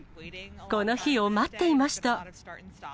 この日を待っていました。